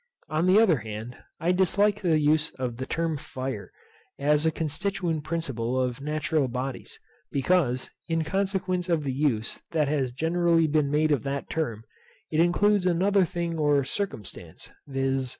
On the other hand I dislike the use of the term fire, as a constituent principle of natural bodies, because, in consequence of the use that has generally been made of that term, it includes another thing or circumstance, viz.